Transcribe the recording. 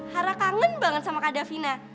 hara kangen banget sama kak davina